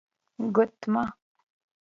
💍 ګوتمه